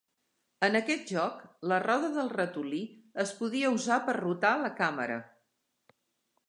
En aquest joc la roda del ratolí es podia usar per rotar la càmera.